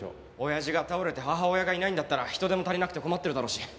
親父が倒れて母親がいないんだったら人手も足りなくて困ってるだろうし。